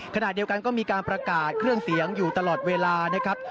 ขณะเดียวกันก็มีการประกาศเครื่องเสียงอยู่ตลอดเวลานะครับ